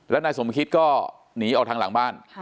แล้วนายสมคิตก็หนีออกทางหลังบ้าน